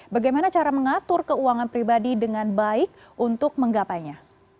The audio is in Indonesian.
bagaimana cara mengatur keuangan pribadi dengan baik untuk menggapainya